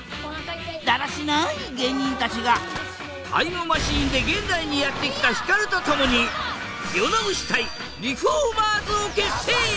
だらしない芸人たちがタイムマシンで現代にやって来たヒカルと共に世直し隊リフォーマーズを結成。